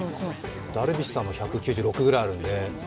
ダルビッシュさんは１９６ぐらいあるんで。